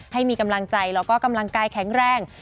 ให้มีกำลังใจแล้วก็กำลังกายแข็งแรง